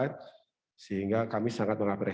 terima kasih kedalamforea